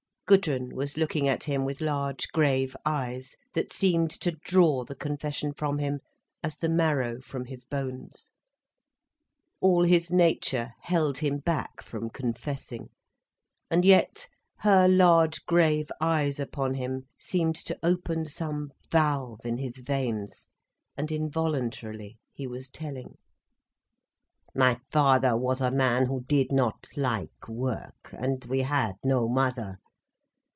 Gudrun was looking at him with large, grave eyes, that seemed to draw the confession from him as the marrow from his bones. All his nature held him back from confessing. And yet her large, grave eyes upon him seemed to open some valve in his veins, and involuntarily he was telling. "My father was a man who did not like work, and we had no mother.